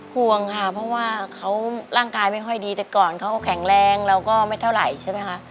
ห่วงค่ะเพราะว่าเขาร่างกายไม่ค่อยดีแต่ก่อนเขาก็แข็งแรงเราก็ไม่เท่าไหร่ใช่ไหมคะ